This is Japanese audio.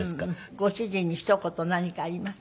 ご主人にひと言何かあります？